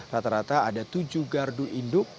rata rata ada tujuh gardu induk